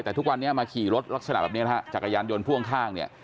แต่ทุกวันนี้มาขี่รถลักษณะแบบนี้นะฮะจักรยานยนต์พ่วงข้างเนี่ย